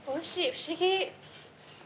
不思議。